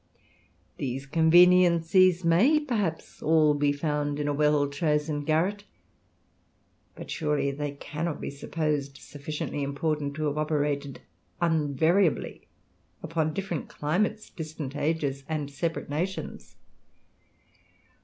These conveniencies may perhaps all be found in a well chosen garret; but surely they cannot be supposed sufficiently important to have operated unvariably upon different climates, distant ages, and separate nations.